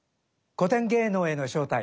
「古典芸能への招待」